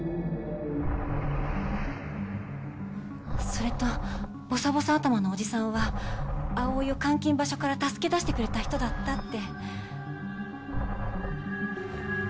それとボサボサ頭のおじさんは葵を監禁場所から助け出してくれた人だったって。